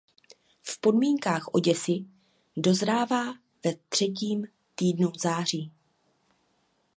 V podmínkách Oděsy dozrává ve třetím týdnu září.